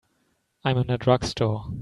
I'm in a drugstore.